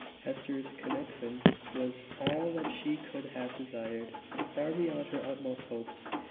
Hester's connexion was all that she could have desired, and far beyond her utmost hopes.